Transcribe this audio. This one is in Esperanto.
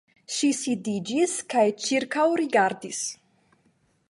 Ŝi sidiĝis kaj ĉirkaŭrigardis.